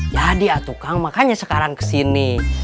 jadi atuh kang makanya sekarang kesini